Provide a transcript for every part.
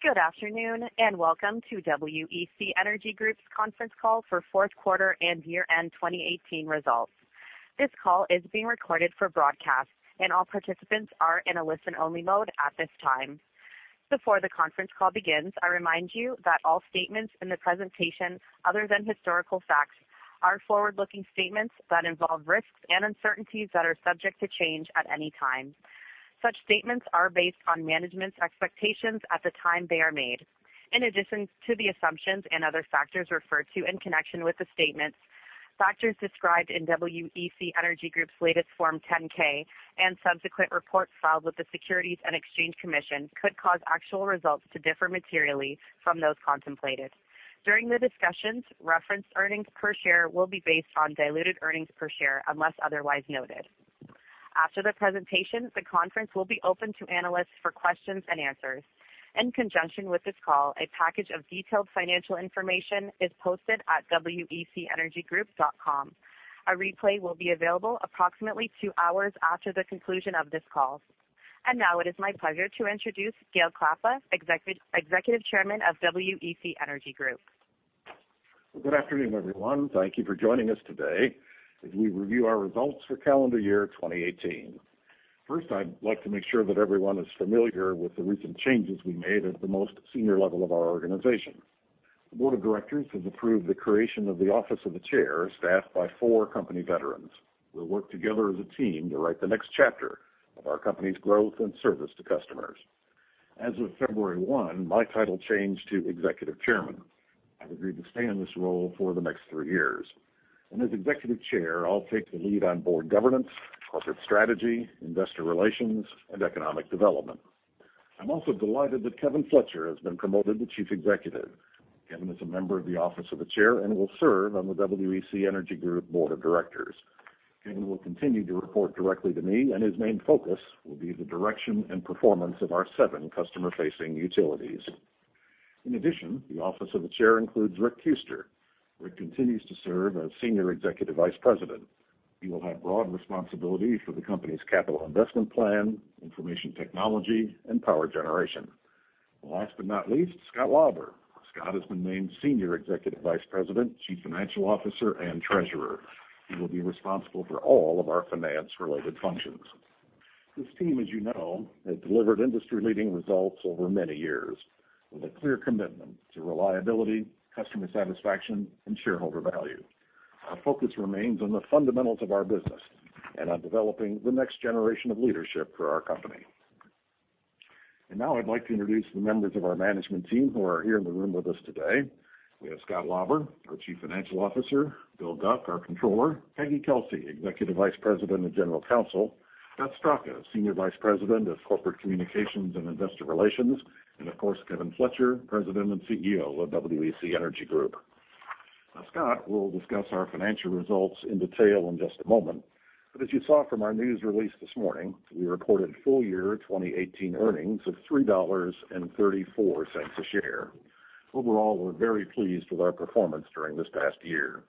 Good afternoon. Welcome to WEC Energy Group's Conference Call for Fourth Quarter and Year-end 2018 Results. This call is being recorded for broadcast, and all participants are in a listen-only mode at this time. Before the conference call begins, I remind you that all statements in the presentation, other than historical facts, are forward-looking statements that involve risks and uncertainties that are subject to change at any time. Such statements are based on management's expectations at the time they are made. In addition to the assumptions and other factors referred to in connection with the statements, factors described in WEC Energy Group's latest Form 10-K and subsequent reports filed with the Securities and Exchange Commission could cause actual results to differ materially from those contemplated. During the discussions, referenced earnings per share will be based on diluted earnings per share unless otherwise noted. After the presentation, the conference will be open to analysts for questions and answers. In conjunction with this call, a package of detailed financial information is posted at wecenergygroup.com. A replay will be available approximately two hours after the conclusion of this call. Now it is my pleasure to introduce Gale Klappa, Executive Chairman of WEC Energy Group. Good afternoon, everyone. Thank you for joining us today as we review our results for calendar year 2018. First, I'd like to make sure that everyone is familiar with the recent changes we made at the most senior level of our organization. The board of directors has approved the creation of the Office of the Chair, staffed by four company veterans, who will work together as a team to write the next chapter of our company's growth and service to customers. As of February 1, my title changed to Executive Chairman. I've agreed to stay in this role for the next three years. As Executive Chair, I'll take the lead on board governance, corporate strategy, investor relations, and economic development. I'm also delighted that Kevin Fletcher has been promoted to Chief Executive. Kevin is a member of the Office of the Chair and will serve on the WEC Energy Group Board of Directors. Kevin will continue to report directly to me. His main focus will be the direction and performance of our seven customer-facing utilities. In addition, the Office of the Chair includes Rick Kuester. Rick continues to serve as Senior Executive Vice President. He will have broad responsibility for the company's capital investment plan, information technology, and power generation. Last but not least, Scott Lauber. Scott has been named Senior Executive Vice President, Chief Financial Officer, and Treasurer. He will be responsible for all of our finance-related functions. This team, as you know, has delivered industry-leading results over many years with a clear commitment to reliability, customer satisfaction, and shareholder value. Our focus remains on the fundamentals of our business and on developing the next generation of leadership for our company. Now I'd like to introduce the members of our management team who are here in the room with us today. We have Scott Lauber, our Chief Financial Officer, Bill Guc, our Controller, Peggy Kelsey, Executive Vice President and General Counsel, Beth Straka, Senior Vice President of Corporate Communications and Investor Relations, and of course, Kevin Fletcher, President and CEO of WEC Energy Group. Now, Scott will discuss our financial results in detail in just a moment, but as you saw from our news release this morning, we reported full-year 2018 earnings of $3.34 a share. Overall, we're very pleased with our performance during this past year.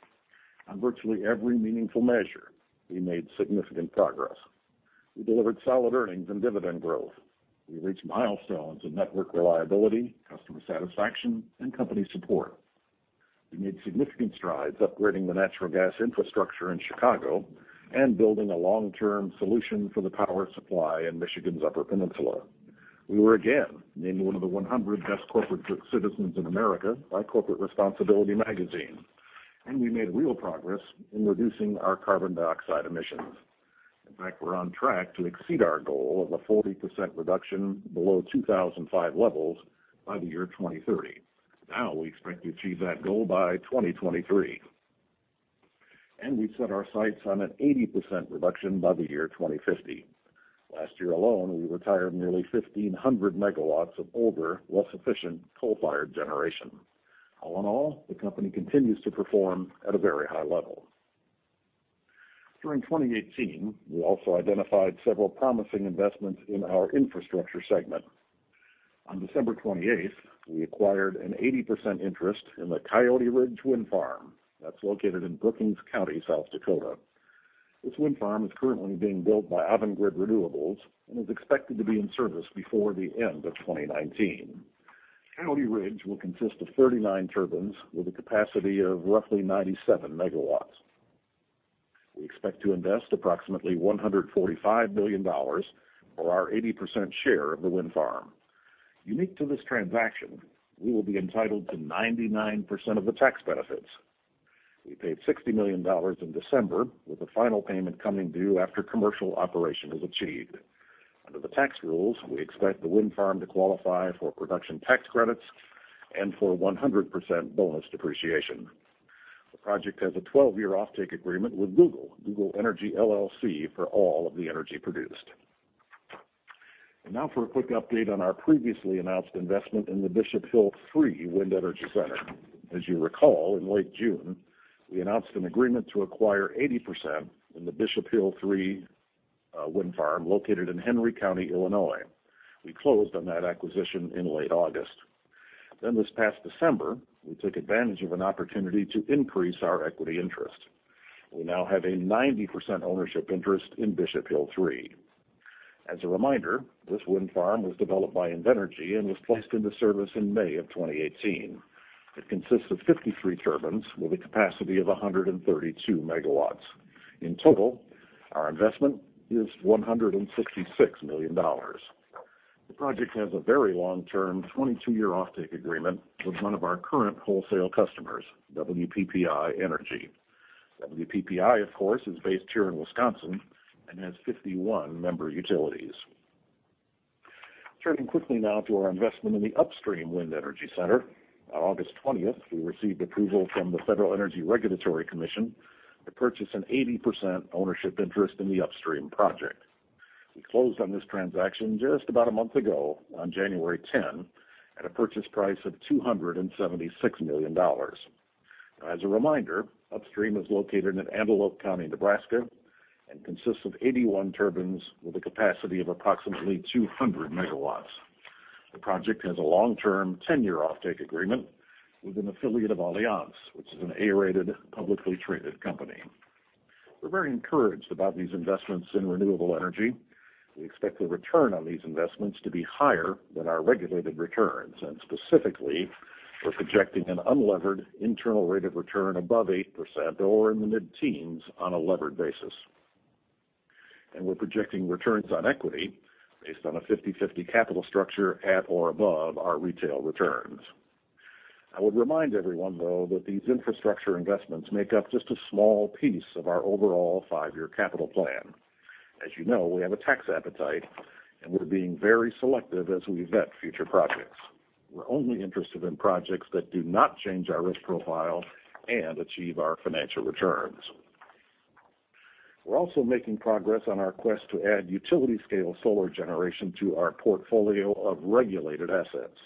On virtually every meaningful measure, we made significant progress. We delivered solid earnings and dividend growth. We reached milestones in network reliability, customer satisfaction, and company support. We made significant strides upgrading the natural gas infrastructure in Chicago and building a long-term solution for the power supply in Michigan's Upper Peninsula. We were again named one of the 100 best corporate citizens in America by Corporate Responsibility Magazine, and we made real progress in reducing our carbon dioxide emissions. In fact, we're on track to exceed our goal of a 40% reduction below 2005 levels by the year 2030. Now we expect to achieve that goal by 2023. We've set our sights on an 80% reduction by the year 2050. Last year alone, we retired nearly 1,500 MW of older, less efficient coal-fired generation. All in all, the company continues to perform at a very high level. During 2018, we also identified several promising investments in our infrastructure segment. On December 28th, we acquired an 80% interest in the Coyote Ridge Wind Farm that's located in Brookings County, South Dakota. This wind farm is currently being built by Avangrid Renewables and is expected to be in service before the end of 2019. Coyote Ridge will consist of 39 turbines with a capacity of roughly 97 MW. We expect to invest approximately $145 million for our 80% share of the wind farm. Unique to this transaction, we will be entitled to 99% of the tax benefits. We paid $60 million in December, with the final payment coming due after commercial operation is achieved. Under the tax rules, we expect the wind farm to qualify for production tax credits and for 100% bonus depreciation. The project has a 12-year offtake agreement with Google Energy LLC, for all of the energy produced. Now for a quick update on our previously announced investment in the Bishop Hill III Wind Energy Center. As you recall, in late June, we announced an agreement to acquire 80% in the Bishop Hill III wind farm located in Henry County, Illinois. We closed on that acquisition in late August. Then this past December, we took advantage of an opportunity to increase our equity interest. We now have a 90% ownership interest in Bishop Hill III. As a reminder, this wind farm was developed by Invenergy and was placed into service in May of 2018. It consists of 53 turbines with a capacity of 132 MW. In total, our investment is $166 million. The project has a very long-term, 22-year offtake agreement with one of our current wholesale customers, WPPI Energy. WPPI, of course, is based here in Wisconsin and has 51 member utilities. Turning quickly now to our investment in the Upstream Wind Energy Center. On August 20th, we received approval from the Federal Energy Regulatory Commission to purchase an 80% ownership interest in the Upstream project. We closed on this transaction just about a month ago on January 10, at a purchase price of $276 million. As a reminder, Upstream is located in Antelope County, Nebraska, and consists of 81 turbines with a capacity of approximately 200 MW. The project has a long-term, 10-year offtake agreement with an affiliate of Allianz, which is an A-rated, publicly traded company. We're very encouraged about these investments in renewable energy. We expect the return on these investments to be higher than our regulated returns. Specifically, we're projecting an unlevered internal rate of return above 8% or in the mid-10s on a levered basis. We're projecting returns on equity based on a 50/50 capital structure at or above our retail returns. I would remind everyone, though, that these infrastructure investments make up just a small piece of our overall five-year capital plan. As you know, we have a tax appetite, and we're being very selective as we vet future projects. We're only interested in projects that do not change our risk profile and achieve our financial returns. We're also making progress on our quest to add utility-scale solar generation to our portfolio of regulated assets.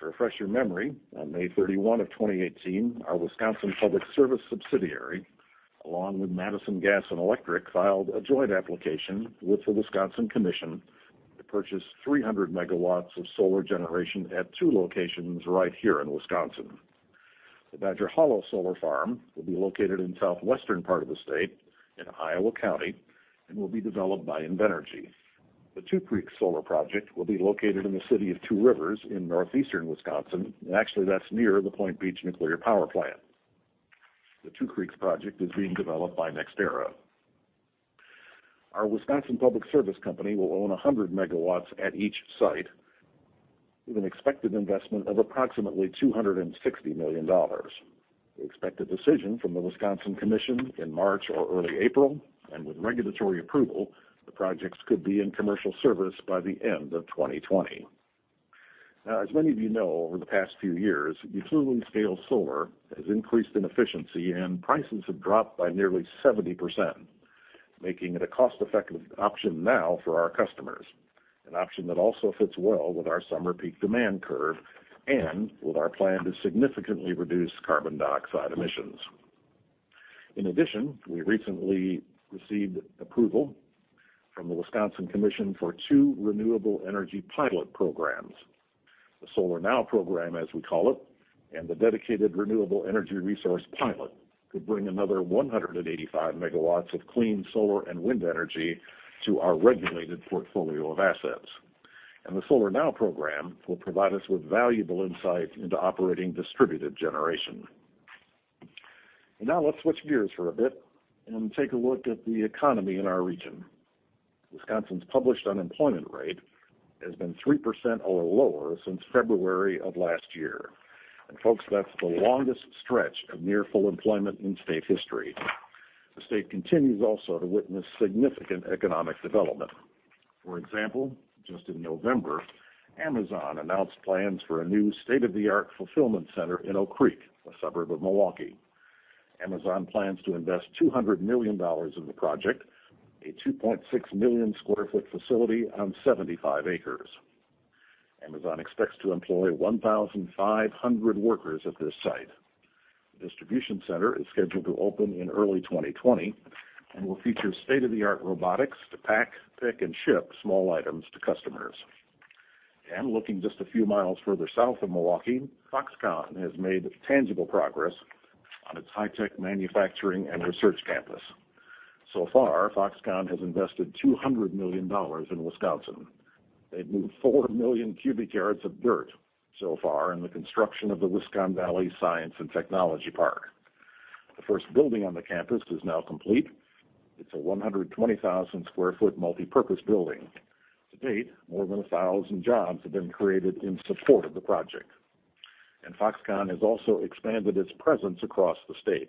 To refresh your memory, on May 31 of 2018, our Wisconsin Public Service subsidiary, along with Madison Gas and Electric, filed a joint application with the Wisconsin Commission to purchase 300 MW of solar generation at two locations right here in Wisconsin. The Badger Hollow Solar Farm will be located in the southwestern part of the state in Iowa County and will be developed by Invenergy. The Two Creeks Solar Project will be located in the city of Two Rivers in northeastern Wisconsin. Actually, that's near the Point Beach Nuclear Power Plant. The Two Creeks project is being developed by NextEra. Our Wisconsin Public Service Company will own 100 MW at each site with an expected investment of approximately $260 million. We expect a decision from the Wisconsin Commission in March or early April, and with regulatory approval, the projects could be in commercial service by the end of 2020. As many of you know, over the past few years, utility-scale solar has increased in efficiency, prices have dropped by nearly 70%, making it a cost-effective option now for our customers, an option that also fits well with our summer peak demand curve and with our plan to significantly reduce carbon dioxide emissions. In addition, we recently received approval from the Wisconsin Commission for two renewable energy pilot programs. The Solar Now program, as we call it, and the Dedicated Renewable Energy Resource pilot could bring another 185 MW of clean solar and wind energy to our regulated portfolio of assets. The Solar Now program will provide us with valuable insight into operating distributed generation. Let's switch gears for a bit and take a look at the economy in our region. Wisconsin's published unemployment rate has been 3% or lower since February of last year. Folks, that's the longest stretch of near full employment in state history. The state continues also to witness significant economic development. For example, just in November, Amazon announced plans for a new state-of-the-art fulfillment center in Oak Creek, a suburb of Milwaukee. Amazon plans to invest $200 million in the project, a 2.6-million-square-foot facility on 75 acres. Amazon expects to employ 1,500 workers at this site. The distribution center is scheduled to open in early 2020 and will feature state-of-the-art robotics to pack, pick, and ship small items to customers. Looking just a few miles further south of Milwaukee, Foxconn has made tangible progress on its high-tech manufacturing and research campus. So far, Foxconn has invested $200 million in Wisconsin. They've moved 4 million cubic yards of dirt so far in the construction of the Wisconn Valley Science and Technology Park. The first building on the campus is now complete. It's a 120,000-sq ft multipurpose building. To date, more than 1,000 jobs have been created in support of the project. Foxconn has also expanded its presence across the state,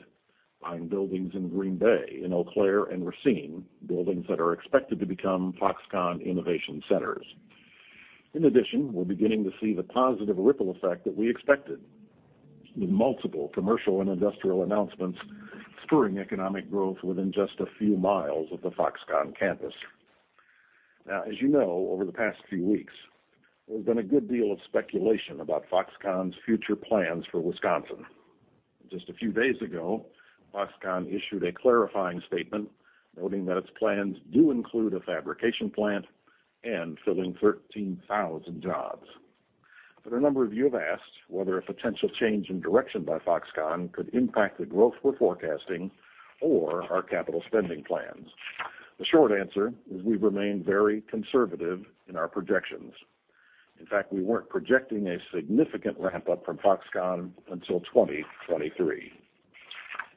buying buildings in Green Bay, in Eau Claire, and Racine, buildings that are expected to become Foxconn innovation centers. In addition, we're beginning to see the positive ripple effect that we expected, with multiple commercial and industrial announcements spurring economic growth within just a few miles of the Foxconn campus. Now, as you know, over the past few weeks, there's been a good deal of speculation about Foxconn's future plans for Wisconsin. Just a few days ago, Foxconn issued a clarifying statement noting that its plans do include a fabrication plant and filling 13,000 jobs. A number of you have asked whether a potential change in direction by Foxconn could impact the growth we're forecasting or our capital spending plans. The short answer is we remain very conservative in our projections. In fact, we weren't projecting a significant ramp-up from Foxconn until 2023.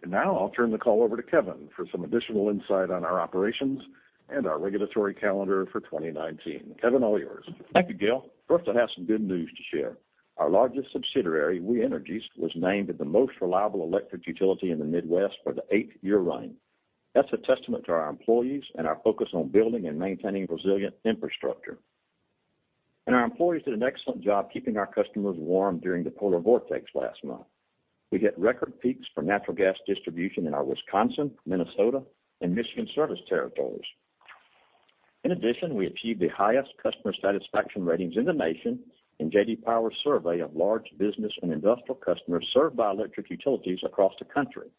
Now I'll turn the call over to Kevin for some additional insight on our operations and our regulatory calendar for 2019. Kevin, all yours. Thank you, Gale. First, I have some good news to share. Our largest subsidiary, We Energies, was named the most reliable electric utility in the Midwest for the eighth-year running. That's a testament to our employees and our focus on building and maintaining resilient infrastructure. Our employees did an excellent job keeping our customers warm during the polar vortex last month. We hit record peaks for natural gas distribution in our Wisconsin, Minnesota, and Michigan service territories. In addition, we achieved the highest customer satisfaction ratings in the nation in J.D. Power's survey of large business and industrial customers served by electric utilities across the country.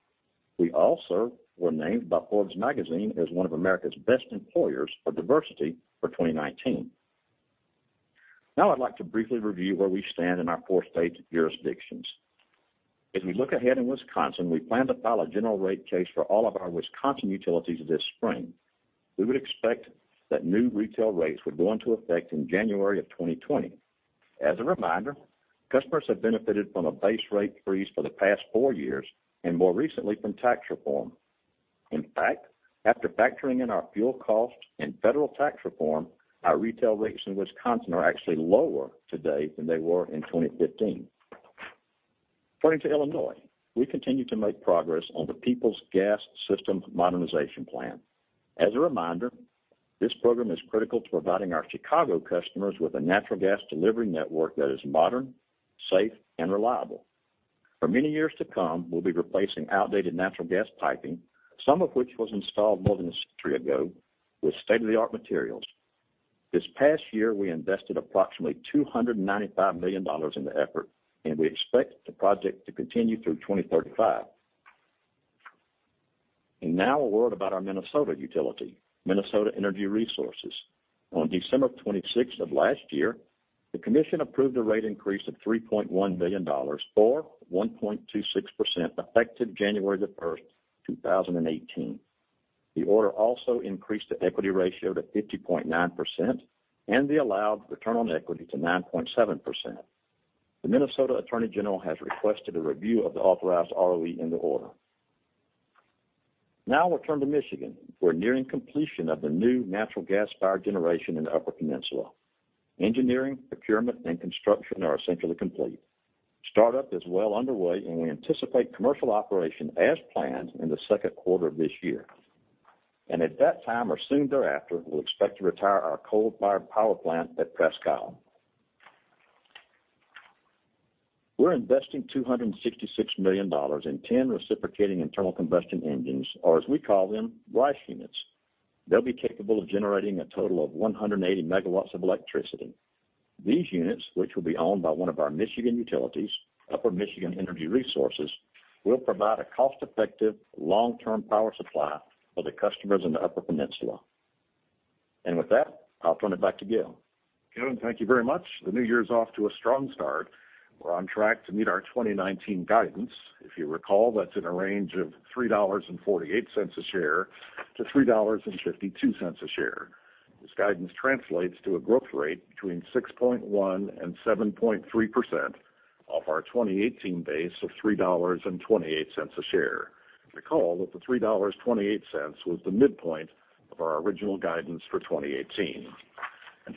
We also were named by Forbes Magazine as one of America's best employers for diversity for 2019. Now I'd like to briefly review where we stand in our four-state jurisdictions. As we look ahead in Wisconsin, we plan to file a general rate case for all of our Wisconsin utilities this spring. We would expect that new retail rates would go into effect in January of 2020. As a reminder, customers have benefited from a base rate freeze for the past four years and more recently from tax reform. In fact, after factoring in our fuel costs and federal tax reform, our retail rates in Wisconsin are actually lower today than they were in 2015. Turning to Illinois, we continue to make progress on the Peoples Gas System Modernization Program. As a reminder, this program is critical to providing our Chicago customers with a natural gas delivery network that is modern, safe, and reliable. For many years to come, we'll be replacing outdated natural gas piping, some of which was installed more than a century ago, with state-of-the-art materials. This past year, we invested approximately $295 million in the effort, and we expect the project to continue through 2035. Now a word about our Minnesota utility, Minnesota Energy Resources. On December 26th of last year, the Commission approved a rate increase of $3.1 million, or 1.26%, effective January 1st, 2018. The order also increased the equity ratio to 50.9% and the allowed return on equity to 9.7%. The Minnesota Attorney General has requested a review of the authorized ROE in the order. Now we'll turn to Michigan, where we are nearing completion of the new natural gas-fired generation in the Upper Peninsula. Engineering, procurement, and construction are essentially complete. Startup is well underway and we anticipate commercial operation as planned in the second quarter of this year. At that time or soon thereafter, we'll expect to retire our coal-fired power plant at Presque Isle. We're investing $266 million in 10 reciprocating internal combustion engines, or as we call them, RICE units. They'll be capable of generating a total of 180 MW of electricity. These units, which will be owned by one of our Michigan utilities, Upper Michigan Energy Resources, will provide a cost-effective, long-term power supply for the customers in the Upper Peninsula. With that, I'll turn it back to Gale. Kevin, thank you very much. The new year's off to a strong start. We're on track to meet our 2019 guidance. If you recall, that's in a range of $3.48 a share-$3.52 a share. This guidance translates to a growth rate between 6.1%-7.3% off our 2018 base of $3.28 a share. If you recall that the $3.28 was the midpoint of our original guidance for 2018.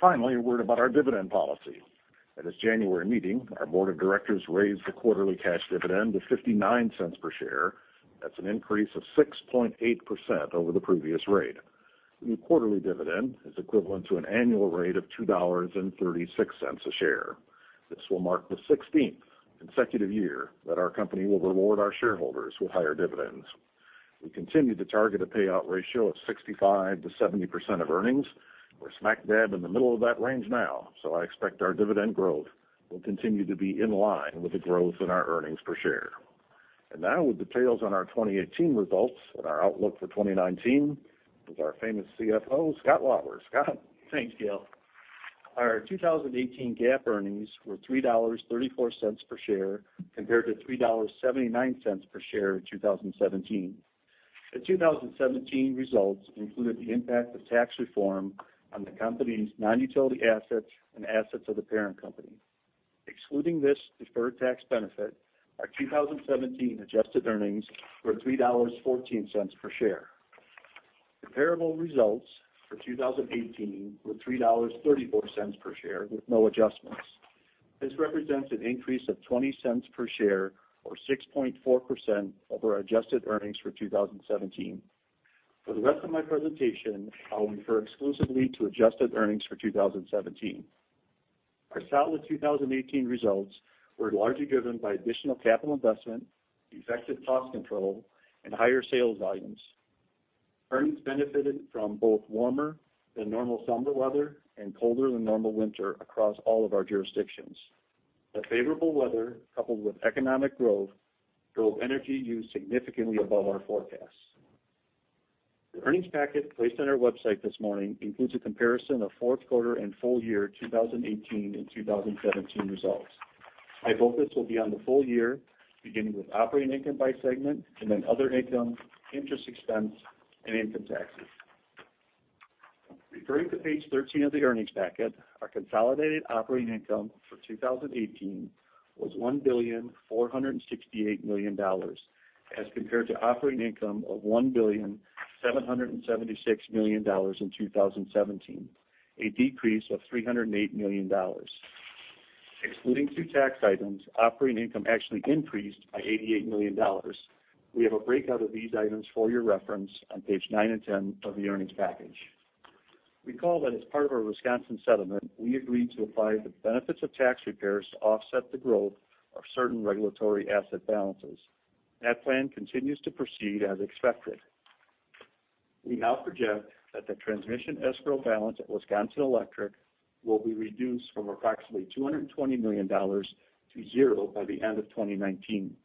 Finally, a word about our dividend policy. At its January meeting, our board of directors raised the quarterly cash dividend to $0.59 per share. That's an increase of 6.8% over the previous rate. The new quarterly dividend is equivalent to an annual rate of $2.36 a share. This will mark the 16th consecutive year that our company will reward our shareholders with higher dividends. We continue to target a payout ratio of 65%-70% of earnings. We're smack dab in the middle of that range now. I expect our dividend growth will continue to be in line with the growth in our earnings per share. Now with details on our 2018 results and our outlook for 2019 is our famous CFO, Scott Lauber. Scott? Thanks, Gale. Our 2018 GAAP earnings were $3.34 per share compared to $3.79 per share in 2017. The 2017 results included the impact of tax reform on the company's non-utility assets and assets of the parent company. Excluding this deferred tax benefit, our 2017 adjusted earnings were $3.14 per share. Comparable results for 2018 were $3.34 per share with no adjustments. This represents an increase of $0.20 per share or 6.4% over our adjusted earnings for 2017. For the rest of my presentation, I'll refer exclusively to adjusted earnings for 2017. Our solid 2018 results were largely driven by additional capital investment, effective cost control, and higher sales volumes. Earnings benefited from both warmer than normal summer weather and colder than normal winter across all of our jurisdictions. The favorable weather, coupled with economic growth, drove energy use significantly above our forecasts. The earnings packet placed on our website this morning includes a comparison of fourth quarter and full year 2018 and 2017 results. My focus will be on the full year, beginning with operating income by segment, then other income, interest expense, and income taxes. Referring to page 13 of the earnings packet, our consolidated operating income for 2018 was $1,468,000,000 as compared to operating income of $1,776,000,000 in 2017, a decrease of $308 million. Excluding two tax items, operating income actually increased by $88 million. We have a breakout of these items for your reference on page nine and 10 of the earnings package. Recall that as part of our Wisconsin settlement, we agreed to apply the benefits of tax repair to offset the growth of certain regulatory asset balances. That plan continues to proceed as expected. We now project that the transmission escrow balance at Wisconsin Electric will be reduced from approximately $220 million to zero by the end of 2019.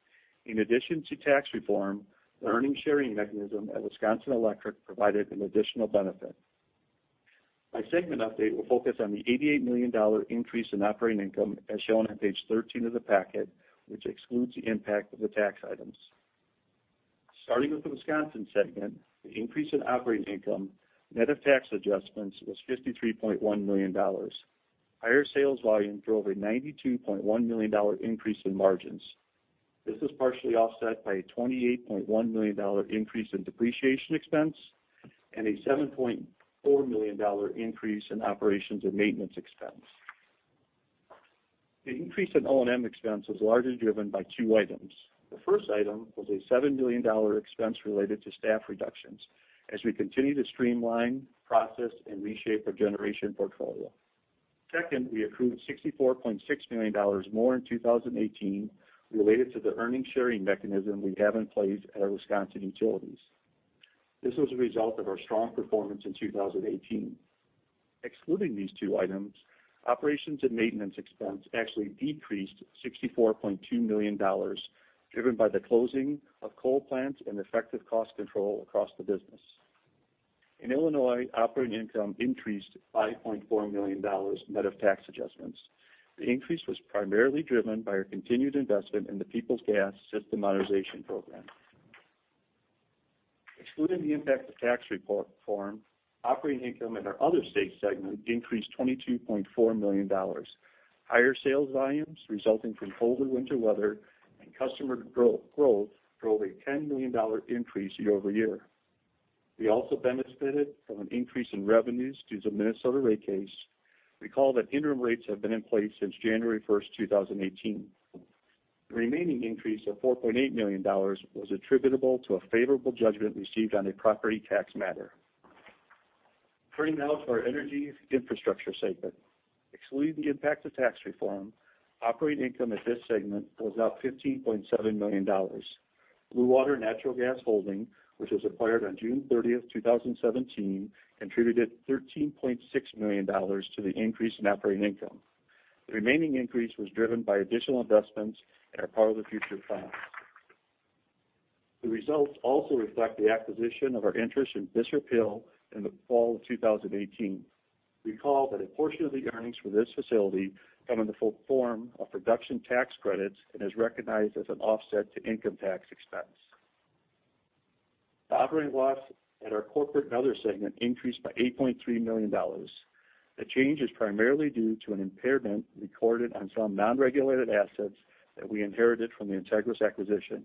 In addition to tax reform, the earnings sharing mechanism at Wisconsin Electric provided an additional benefit. My segment update will focus on the $88 million increase in operating income as shown on page 13 of the packet, which excludes the impact of the tax items. Starting with the Wisconsin segment, the increase in operating income, net of tax adjustments, was $53.1 million. Higher sales volume drove a $92.1 million increase in margins. This is partially offset by a $28.1 million increase in depreciation expense and a $7.4 million increase in operations and maintenance expense. The increase in O&M expense was largely driven by two items. The first item was a $7 million expense related to staff reductions as we continue to streamline, process, and reshape our generation portfolio. Second, we accrued $64.6 million more in 2018 related to the earnings sharing mechanism we have in place at our Wisconsin utilities. This was a result of our strong performance in 2018. Excluding these two items, operations and maintenance expense actually decreased $64.2 million, driven by the closing of coal plants and effective cost control across the business. In Illinois, operating income increased $5.4 million net of tax adjustments. The increase was primarily driven by our continued investment in the Peoples Gas System Modernization Program. Excluding the impact of tax reform, operating income in our other state segment increased $22.4 million. Higher sales volumes resulting from colder winter weather and customer growth drove a $10 million increase year-over-year. We also benefited from an increase in revenues due to the Minnesota rate case. Recall that interim rates have been in place since January 1st, 2018. The remaining increase of $4.8 million was attributable to a favorable judgment received on a property tax matter. Turning now to our energy infrastructure segment. Excluding the impact of tax reform, operating income at this segment was up $15.7 million. Bluewater Natural Gas Holding, which was acquired on June 30th, 2017, contributed $13.6 million to the increase in operating income. The remaining increase was driven by additional investments in our Power the Future Fund. The results also reflect the acquisition of our interest in Bishop Hill III Wind Energy Center in the fall of 2018. Recall that a portion of the earnings for this facility come in the form of production tax credits and is recognized as an offset to income tax expense. The operating loss at our corporate and other segment increased by $8.3 million. The change is primarily due to an impairment recorded on some non-regulated assets that we inherited from the Integrys acquisition.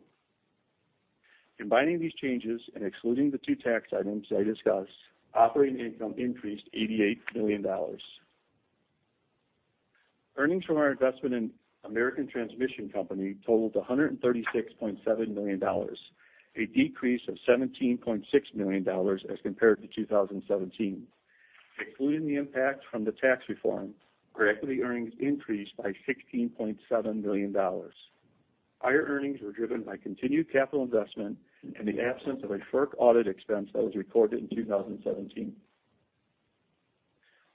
Combining these changes and excluding the two tax items I discussed, operating income increased $88 million. Earnings from our investment in American Transmission Company totaled $136.7 million, a decrease of $17.6 million as compared to 2017. Excluding the impact from the tax reform, our equity earnings increased by $16.7 million. Higher earnings were driven by continued capital investment and the absence of a FERC audit expense that was recorded in 2017.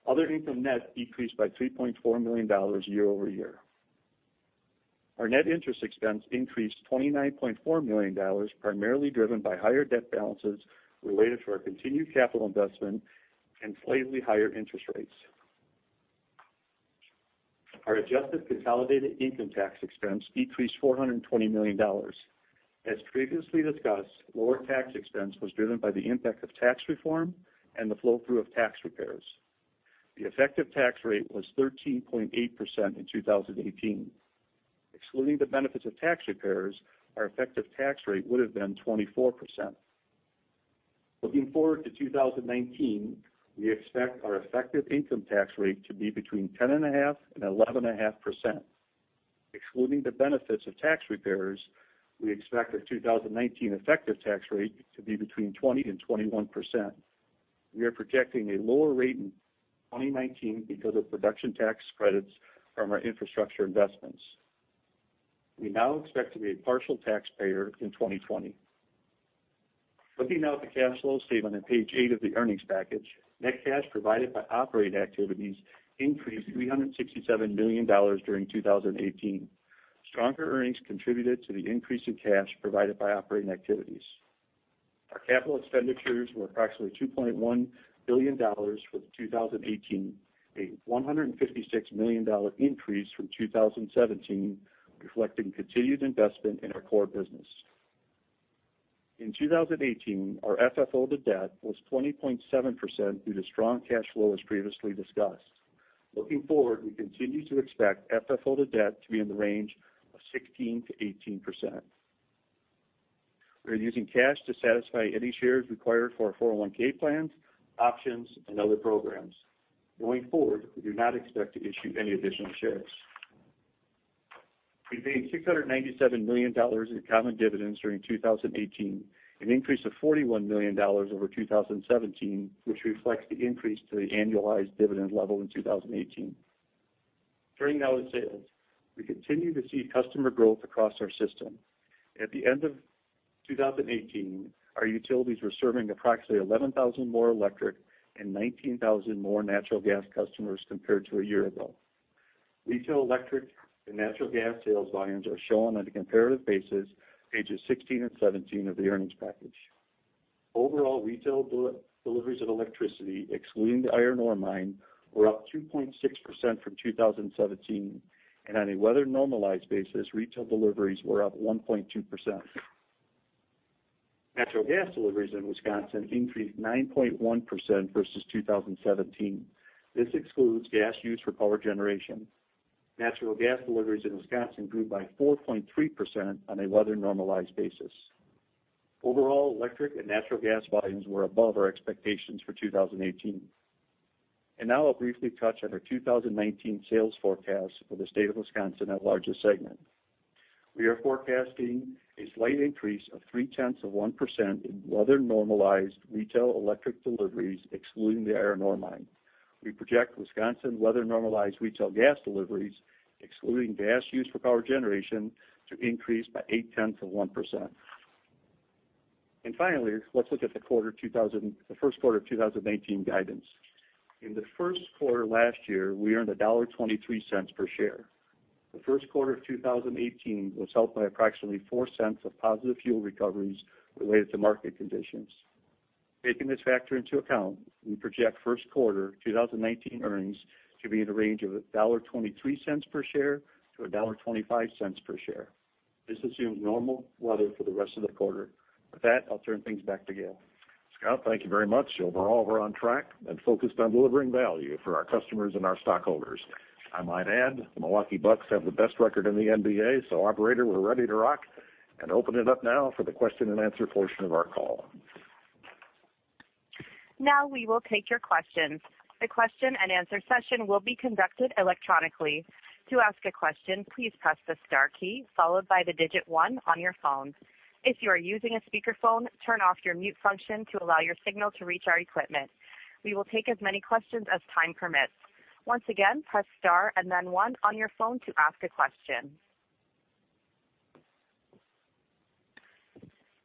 Other income net decreased by $3.4 million year-over-year. Our net interest expense increased $29.4 million, primarily driven by higher debt balances related to our continued capital investment and slightly higher interest rates. Our adjusted consolidated income tax expense decreased $420 million. As previously discussed, lower tax expense was driven by the impact of tax reform and the flow-through of tax repairs. The effective tax rate was 13.8% in 2018. Excluding the benefits of tax repairs, our effective tax rate would have been 24%. Looking forward to 2019, we expect our effective income tax rate to be between 10.5%-11.5%. Excluding the benefits of tax repairs, we expect the 2019 effective tax rate to be between 20%-21%. We are projecting a lower rate in 2019 because of production tax credits from our infrastructure investments. We now expect to be a partial taxpayer in 2020. Looking now at the cash flow statement on page eight of the earnings package, net cash provided by operating activities increased $367 million during 2018. Stronger earnings contributed to the increase in cash provided by operating activities. Our capital expenditures were approximately $2.1 billion for 2018, a $156 million increase from 2017, reflecting continued investment in our core business. In 2018, our FFO to debt was 20.7% due to strong cash flow, as previously discussed. Looking forward, we continue to expect FFO to debt to be in the range of 16%-18%. We are using cash to satisfy any shares required for 401 plans, options, and other programs. Going forward, we do not expect to issue any additional shares. We paid $697 million in common dividends during 2018, an increase of $41 million over 2017, which reflects the increase to the annualized dividend level in 2018. During that, we continue to see customer growth across our system. At the end of 2018, our utilities were serving approximately 11,000 more electric and 19,000 more natural gas customers compared to a year ago. Retail electric and natural gas sales volumes are shown on a comparative basis, pages 16 and 17 of the earnings package. Overall, retail deliveries of electricity, excluding the iron ore mine, were up 2.6% from 2017, and on a weather-normalized basis, retail deliveries were up 1.2%. Natural gas deliveries in Wisconsin increased 9.1% versus 2017. This excludes gas used for power generation. Natural gas deliveries in Wisconsin grew by 4.3% on a weather-normalized basis. Overall, electric and natural gas volumes were above our expectations for 2018. Now I'll briefly touch on our 2019 sales forecast for the state of Wisconsin and larger segment. We are forecasting a slight increase of 3/10 of 1% in weather-normalized retail electric deliveries, excluding the iron ore mine. We project Wisconsin weather-normalized retail gas deliveries, excluding gas used for power generation, to increase by 8/10 of 1%. Finally, let's look at the first quarter of 2019 guidance. In the first quarter last year, we earned $1.23 per share. The first quarter of 2018 was helped by approximately $0.04 of positive fuel recoveries related to market conditions. Taking this factor into account, we project first quarter 2019 earnings to be in the range of $1.23 per share-$1.25 per share. This assumes normal weather for the rest of the quarter. With that, I'll turn things back to Gale. Scott, thank you very much. Overall, we're on track and focused on delivering value for our customers and our stockholders. I might add, the Milwaukee Bucks have the best record in the NBA. Operator, we're ready to rock and open it up now for the question and answer portion of our call. Now we will take your questions. The question and answer session will be conducted electronically. To ask a question, please press the star key, followed by the digit one on your phone. If you are using a speakerphone, turn off your mute function to allow your signal to reach our equipment. We will take as many questions as time permits. Once again, press star and then one on your phone to ask a question.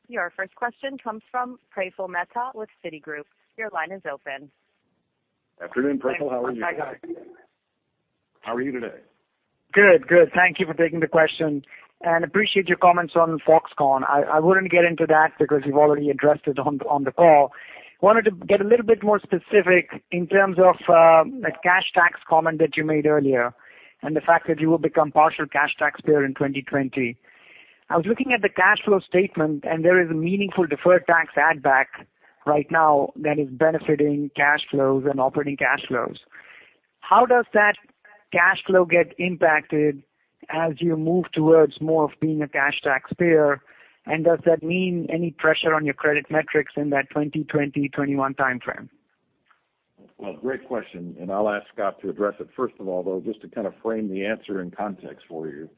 Your first question comes from Praful Mehta with Citigroup. Your line is open. Afternoon, Praful. How are you? Hi, guys. How are you today? Good. Thank you for taking the question and appreciate your comments on Foxconn. I wouldn't get into that because you've already addressed it on the call. Wanted to get a little bit more specific in terms of the cash tax comment that you made earlier and the fact that you will become partial cash taxpayer in 2020. I was looking at the cash flow statement; there is a meaningful deferred tax add back right now that is benefiting cash flows and operating cash flows. How does that cash flow get impacted as you move towards more of being a cash taxpayer, and does that mean any pressure on your credit metrics in that 2020, 2021 timeframe? Well, great question, I'll ask Scott to address it. First of all, though, just to kind of frame the answer in context for you.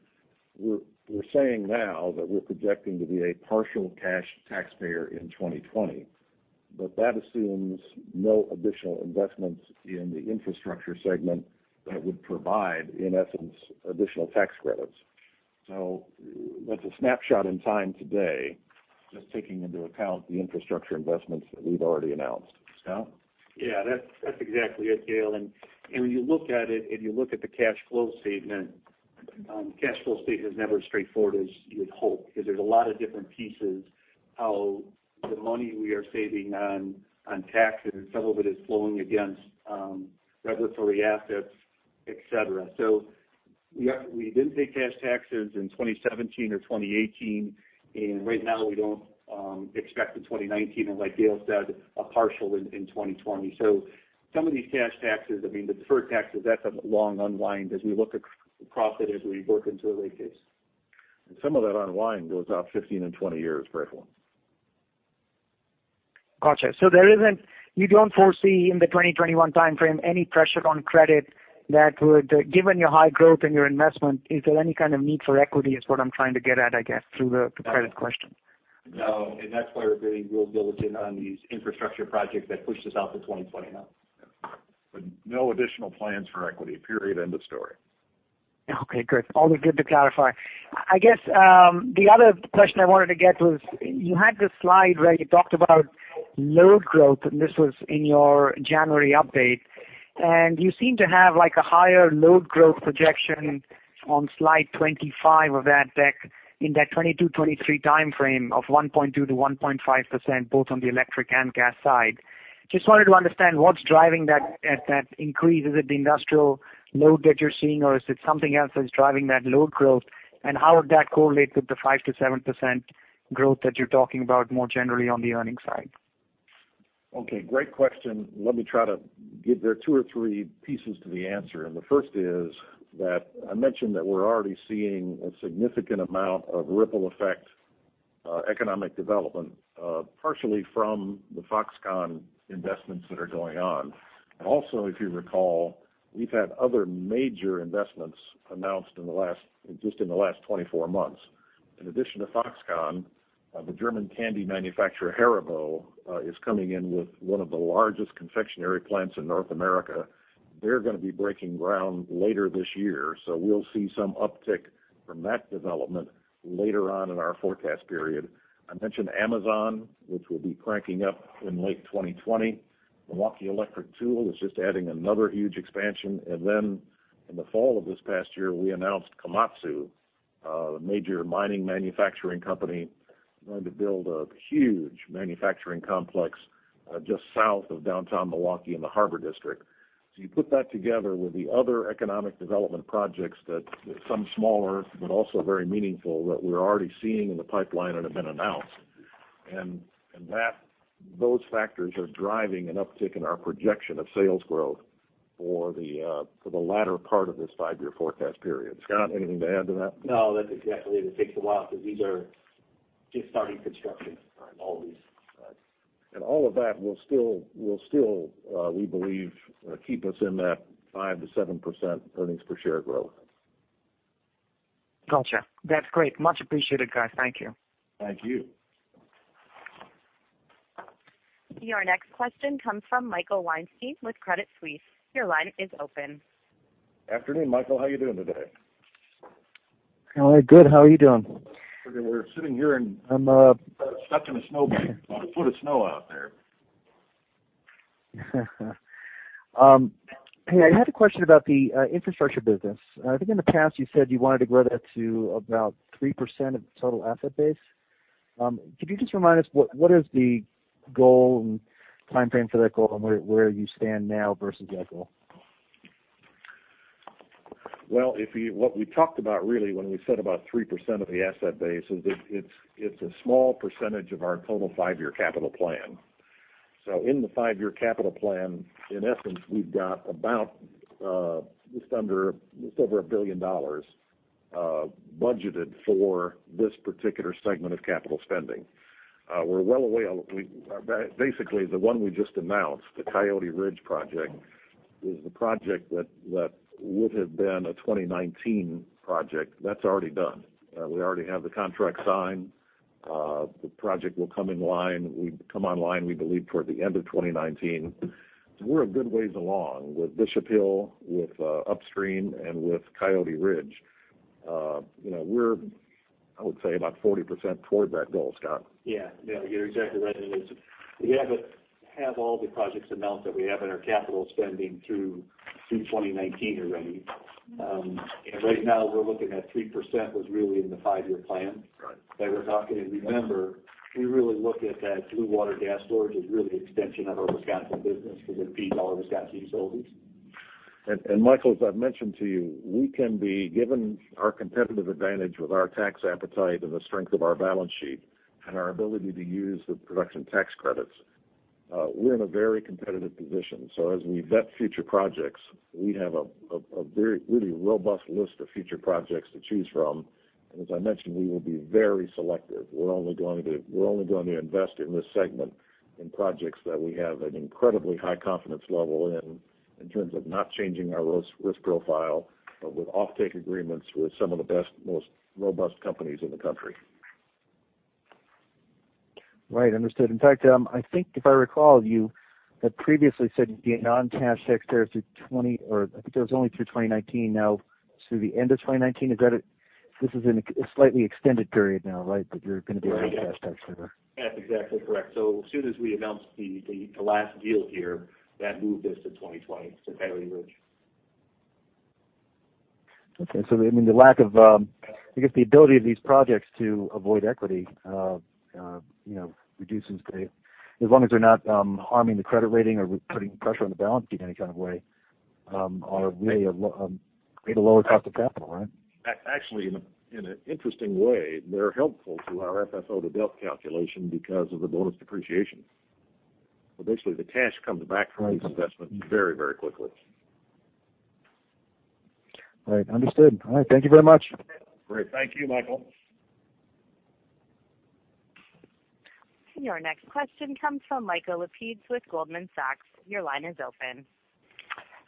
We're saying now that we're projecting to be a partial cash taxpayer in 2020, that assumes no additional investments in the infrastructure segment that would provide, in essence, additional tax credits. That's a snapshot in time today, just taking into account the infrastructure investments that we've already announced. Scott? Yeah, that's exactly it, Gale. When you look at it, if you look at the cash flow statement, cash flow statement is never as straightforward as you would hope, because there's a lot of different pieces, how the money we are saving on taxes, some of it is flowing against regulatory assets, et cetera. We didn't pay cash taxes in 2017 or 2018, right now we don't expect in 2019, like Gale said, a partial in 2020. Some of these cash taxes, I mean, the deferred taxes, that's a long unwind as we look at profit, as we work into a rate case. Some of that unwind goes out 15 and 20 years, Praful. Got you. You don't foresee in the 2021 timeframe any pressure on credit that would, given your high growth and your investment, is there any kind of need for equity is what I'm trying to get at, I guess, through the credit question. No. That's why we're being real diligent on these infrastructure projects that push us out to 2029. No additional plans for equity, period. End of story. Okay, good. Always good to clarify. I guess the other question I wanted to get was, you had this slide where you talked about load growth, this was in your January update. You seem to have a higher load growth projection on slide 25 of that deck in that 2022, 2023 timeframe of 1.2%-1.5%, both on the electric and gas side. Just wanted to understand what's driving that increase. Is it the industrial load that you're seeing, or is it something else that is driving that load growth? How would that correlate with the 5%-7% growth that you're talking about more generally on the earnings side? Okay, great question. Let me try to There are two or three pieces to the answer, the first is that I mentioned that we're already seeing a significant amount of ripple effect economic development partially from the Foxconn investments that are going on. Also, if you recall, we've had other major investments announced just in the last 24 months. In addition to Foxconn, the German candy manufacturer, Haribo, is coming in with one of the largest confectionery plants in North America. They're going to be breaking ground later this year, so we'll see some uptick from that development later on in our forecast period. I mentioned Amazon, which will be cranking up in late 2020. Milwaukee Tool is just adding another huge expansion. Then in the fall of this past year, we announced Komatsu, a major mining manufacturing company, is going to build a huge manufacturing complex just south of downtown Milwaukee in the Harbor District. You put that together with the other economic development projects that, some smaller, but also very meaningful, that we're already seeing in the pipeline and have been announced. Those factors are driving an uptick in our projection of sales growth for the latter part of this five-year forecast period. Scott, anything to add to that? No, that's exactly it. It takes a while because these are just starting construction on all these. All of that will still, we believe, keep us in that 5% -7% earnings per share growth. Got you. That's great. Much appreciated, guys. Thank you. Thank you. Your next question comes from Michael Weinstein with Credit Suisse. Your line is open. Afternoon, Michael, how are you doing today? Hello. Good. How are you doing? We're sitting here, and I'm stuck in a snowbank. About a foot of snow out there. Hey, I had a question about the infrastructure business. I think in the past you said you wanted to grow that to about 3% of the total asset base. Could you just remind us, what is the goal and timeframe for that goal, and where you stand now versus that goal? What we talked about really when we said about 3% of the asset base is it's a small percentage of our total five-year capital plan. In the five-year capital plan, in essence, we've got about just over $1 billion budgeted for this particular segment of capital spending. Basically, the one we just announced, the Coyote Ridge project, is the project that would have been a 2019 project. That's already done. We already have the contract signed. The project will come online, we believe, toward the end of 2019. We're a good way along with Bishop Hill, with Upstream and with Coyote Ridge. We're, I would say, about 40% toward that goal, Scott. Yeah. You're exactly right. We have all the projects announced that we have in our capital spending through 2019 already. Yeah. Right now we're looking at 3% was really in the five-year plan. Right. That we're talking. Remember, we really look at that Blue Water Gas Storage as really an extension of our Wisconsin business because it feeds all of our Wisconsin utilities. Michael, as I've mentioned to you, we can be given our competitive advantage with our tax appetite and the strength of our balance sheet and our ability to use the production tax credits. We're in a very competitive position. As we vet future projects, we have a really robust list of future projects to choose from. As I mentioned, we will be very selective. We're only going to invest in this segment in projects that we have an incredibly high confidence level in terms of not changing our risk profile, but with offtake agreements with some of the best, most robust companies in the country. Right. Understood. In fact, I think if I recall, you had previously said you'd be a non-cash tax payer or I think that was only through 2019. Through the end of 2019, this is a slightly extended period now, right? That you're going to be a non-cash taxpayer. That's exactly correct. As soon as we announced the last deal here, that moved us to 2020, to Coyote Ridge. Okay. I guess the ability of these projects to avoid equity reduces as long as they're not harming the credit rating or putting pressure on the balance sheet in any kind of way, are really at a lower cost of capital, right? Actually, in an interesting way, they're helpful to our FFO-to-debt calculation because of the bonus depreciation. Basically, the cash comes back from these investments very quickly. Right. Understood. All right. Thank you very much. Great. Thank you, Michael. Your next question comes from Michael Lapides with Goldman Sachs. Your line is open.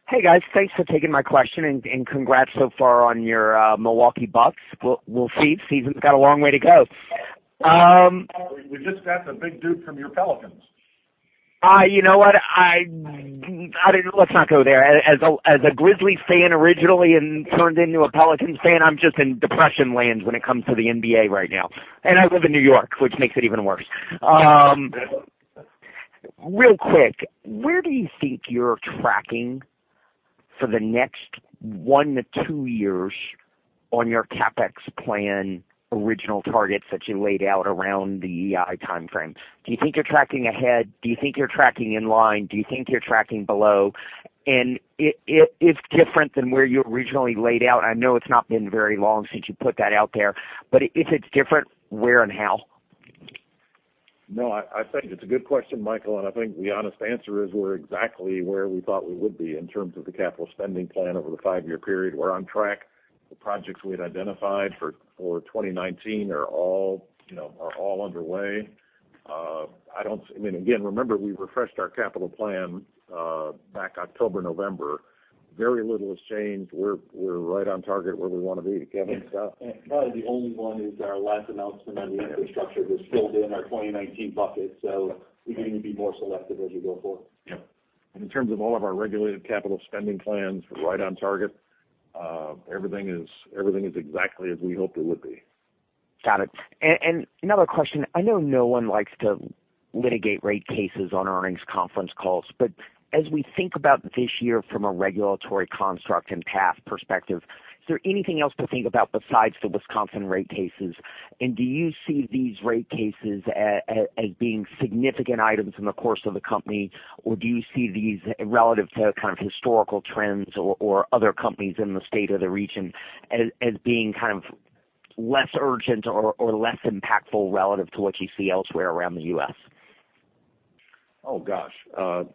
Hey, guys. Thanks for taking my question. Congrats so far on your Milwaukee Bucks. We'll see. Seasons got a long way to go. We just got the big dude from your Pelicans. You know what? Let's not go there. As a Grizzlies fan originally and turned into a Pelicans fan, I'm just in depression land when it comes to the NBA right now. I live in New York, which makes it even worse. Real quick, where do you think you're tracking for the next one to two years on your CapEx plan, original targets that you laid out around the EEI timeframe, do you think you're tracking ahead? Do you think you're tracking in line? Do you think you're tracking below? If different than where you originally laid out, I know it's not been very long since you put that out there, but if it's different, where and how? No, I think it's a good question, Michael, and I think the honest answer is we're exactly where we thought we would be in terms of the capital spending plan over the five-year period. We're on track. The projects we had identified for 2019 are all underway. Again, remember, we refreshed our capital plan back October, November. Very little has changed. We're right on target where we want to be. Kevin, Scott? Probably the only one is our last announcement on the infrastructure just filled in our 2019 bucket, we're going to be more selective as we go forward. Yep. In terms of all of our regulated capital spending plans, we're right on target. Everything is exactly as we hoped it would be. Got it. Another question. I know no one likes to litigate rate cases on earnings conference calls, as we think about this year from a regulatory construct and path perspective, is there anything else to think about besides the Wisconsin rate cases? Do you see these rate cases as being significant items in the course of the company? Do you see these relatives to historical trends or other companies in the state or the region as being less urgent or less impactful relative to what you see elsewhere around the U.S.? Oh, gosh.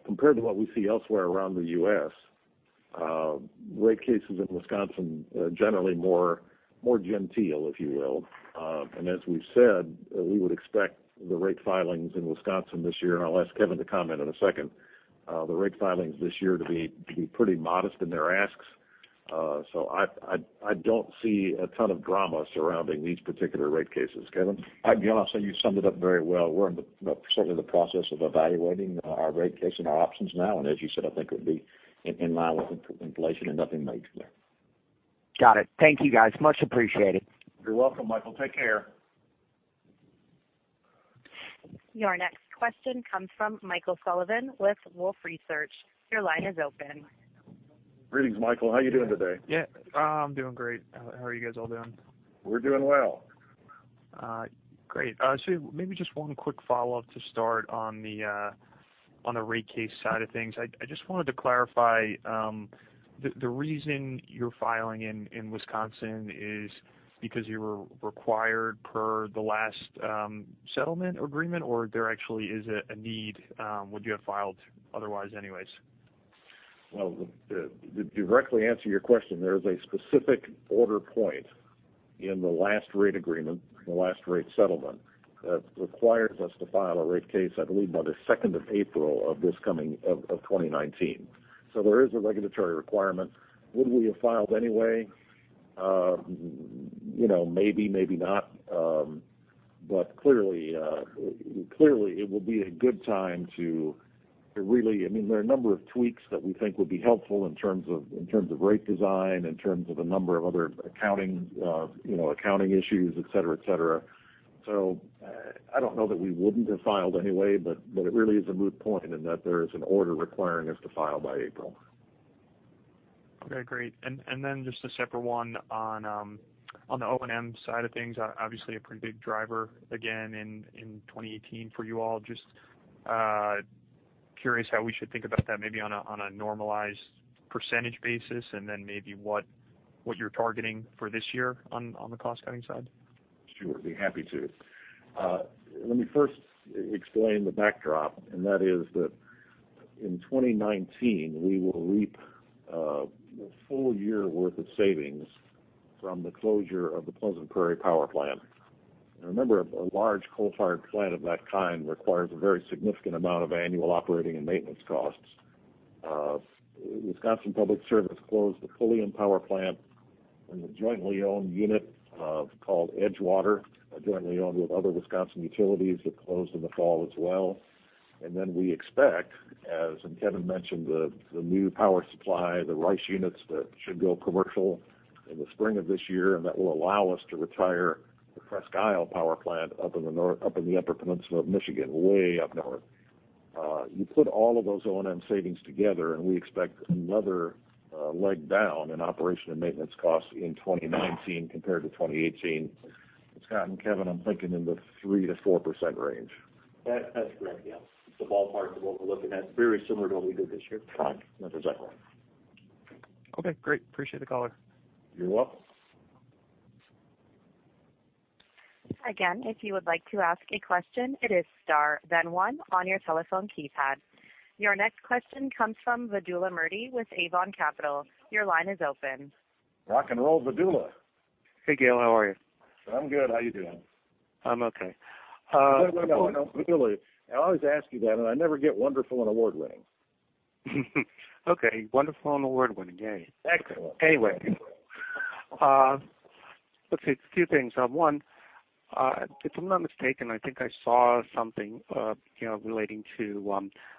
Compared to what we see elsewhere around the U.S., rate cases in Wisconsin are generally more genteel, if you will. As we've said, we would expect the rate filings in Wisconsin this year, and I'll ask Kevin to comment in a second, the rate filings this year to be pretty modest in their asks. I don't see a ton of drama surrounding these particular rate cases. Kevin? Again, I'll say you summed it up very well. We're certainly in the process of evaluating our rate case and our options now. As you said, I think it would be in line with inflation and nothing major there. Got it. Thank you guys. Much appreciated. You're welcome, Michael. Take care. Your next question comes from Michael Sullivan with Wolfe Research. Your line is open. Greetings, Michael. How are you doing today? Yeah. I'm doing great. How are you guys all doing? We're doing well. Great. Maybe just one quick follow-up to start on the rate case side of things. I just wanted to clarify, the reason you're filing in Wisconsin is because you were required per the last settlement agreement, or there actually is a need, would you have filed otherwise anyways? Well, to directly answer your question, there is a specific order point in the last rate agreement, in the last rate settlement, that requires us to file a rate case, I believe, by April 2nd of 2019. There is a regulatory requirement. Would we have filed anyway? Maybe, maybe not. Clearly it will be a good time. There are a number of tweaks that we think would be helpful in terms of rate design, in terms of a number of other accounting issues, et cetera. I don't know that we wouldn't have filed anyway, but it really is a moot point in that there is an order requiring us to file by April. Okay, great. Just a separate one on the O&M side of things. Obviously a pretty big driver again in 2018 for you all. Just curious how we should think about that, maybe on a normalized percentage basis, and then maybe what you're targeting for this year on the cost-cutting side. Sure, be happy to. Let me first explain the backdrop, that in 2019, we will reap a full year worth of savings from the closure of the Pleasant Prairie Power Plant. Remember, a large coal-fired plant of that kind requires a very significant amount of annual operating and maintenance costs. Wisconsin Public Service closed the Pulliam Power Plant and the jointly owned unit called Edgewater, jointly owned with other Wisconsin utilities, that closed in the fall as well. We expect, as Kevin mentioned, the new power supply, the RICE units that should go commercial in the spring of this year, and that will allow us to retire the Presque Isle Power Plant up in the Upper Peninsula of Michigan, way up north. You put all of those O&M savings together; we expect another leg down in operation and maintenance costs in 2019 compared to 2018. Scott and Kevin, I'm thinking in the 3%-4% range. That's correct, yes. It's the ballpark of what we're looking at, very similar to what we did this year. Right. That's exactly right. Okay, great. Appreciate the call. You're welcome. Again, if you would like to ask a question, it is star then one on your telephone keypad. Your next question comes from Vedula Murti with Avon Capital. Your line is open. Rock and roll, Vedula. Hey, Gale, how are you? I'm good. How you doing? I'm okay. No, Vedula. I always ask you that, I never get wonderful and award-winning. Okay. Wonderful and award-winning. Yay. Excellent. Let's see. Two things. One, if I'm not mistaken, I think I saw something relating to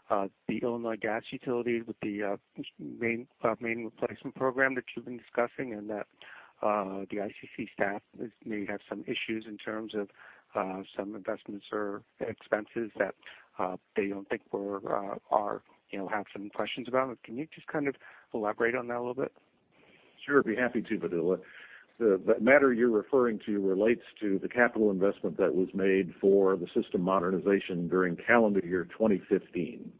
the Illinois gas utility with the System Modernization Program that you've been discussing. The ICC staff may have some issues in terms of some investments or expenses that they don't think have some questions about them. Can you just elaborate on that a little bit? Sure. I'd be happy to, Vedula. The matter you're referring to relates to the capital investment that was made for the System Modernization during calendar year 2015.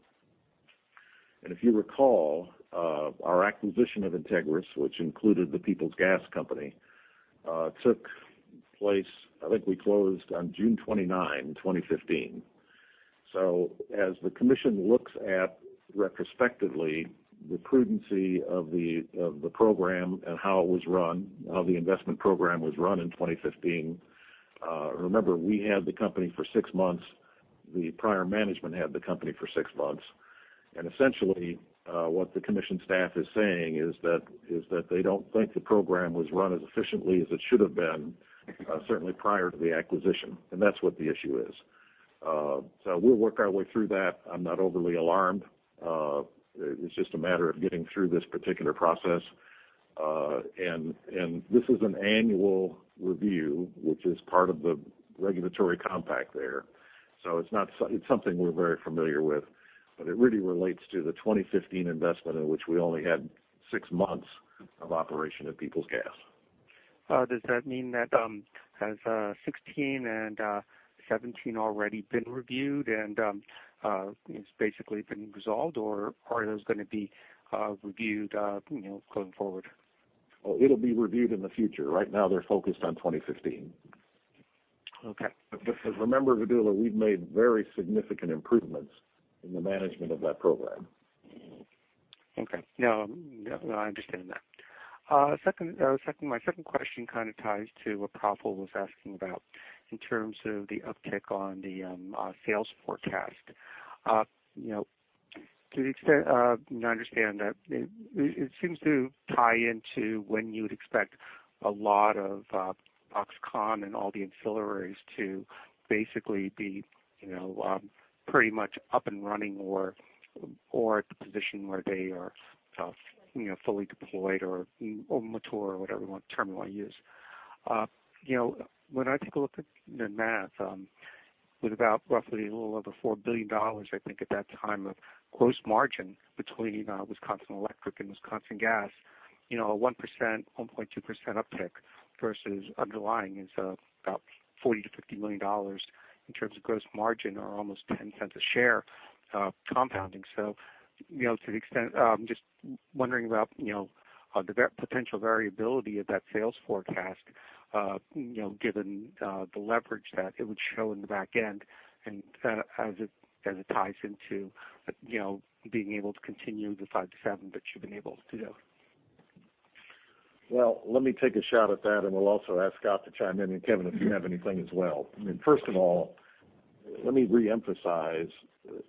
If you recall, our acquisition of Integrys, which included the Peoples Gas Company, took place, I think we closed on June 29, 2015. As the Commission looks at, retrospectively, the prudency of the program and how the investment program was run in 2015. Remember, we had the company for six months, the prior management had the company for six months. Essentially, what the Commission staff is saying is that they don't think the program was run as efficiently as it should've been, certainly prior to the acquisition. That's what the issue is. We'll work our way through that. I'm not overly alarmed. It's just a matter of getting through this particular process. This is an annual review, which is part of the regulatory compact there. It's something we're very familiar with, it really relates to the 2015 investment in which we only had six months of operation of Peoples Gas. Does that mean that as 2016 and 2017 already been reviewed and it's basically been resolved, or are those going to be reviewed going forward? It'll be reviewed in the future. Right now they're focused on 2015. Okay. Remember, Vedula, we've made very significant improvements in the management of that program. Okay. No, I understand that. My second question kind of ties to what Praful was asking about in terms of the uptick on the sales forecast. To the extent, I understand that it seems to tie into when you would expect a lot of Foxconn and all the ancillaries to basically be pretty much up and running or at the position where they are fully deployed or mature or whatever term you want to use. When I take a look at the math, with about roughly a little over $4 billion, I think at that time, of gross margin between Wisconsin Electric and Wisconsin Gas, a 1%-1.2% uptick versus underlying is about $40 million-$50 million in terms of gross margin or almost $0.10 a share compounding. To the extent, I'm just wondering about the potential variability of that sales forecast given the leverage that it would show in the back end and as it ties into being able to continue the 5%-7% that you've been able to do. Well, let me take a shot at that, and we'll also ask Scott to chime in, and Kevin, if you have anything as well. First of all, let me reemphasize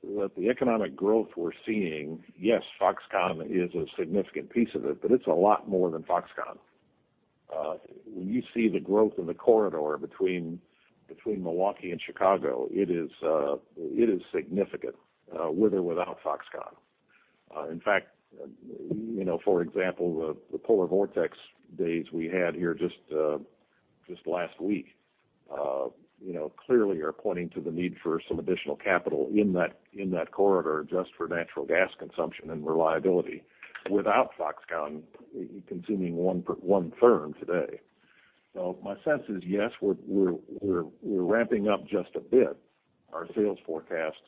that the economic growth we're seeing, yes, Foxconn is a significant piece of it, but it's a lot more than Foxconn. When you see the growth in the corridor between Milwaukee and Chicago, it is significant with or without Foxconn. In fact, for example, the polar vortex days we had here just last week clearly are pointing to the need for some additional capital in that corridor just for natural gas consumption and reliability without Foxconn consuming 1/3 today. My sense is, yes, we're ramping up just a bit our sales forecast